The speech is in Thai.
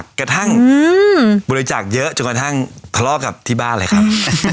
กระทั่งบริจาคเยอะจนกระทั่งทะเลาะกับที่บ้านเลยครับ